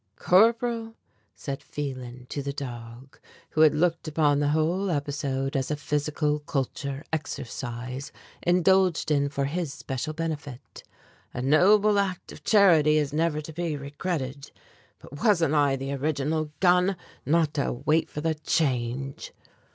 "Corporal," said Phelan, to the dog, who had looked upon the whole episode as a physical culture exercise indulged in for his special benefit, "a noble act of charity is never to be regretted, but wasn't I the original gun, not to wait for the change?"